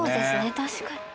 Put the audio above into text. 確かに。